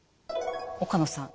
岡野さん